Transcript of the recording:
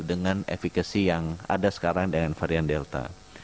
dengan efekasi yang ada sekarang dengan varian delta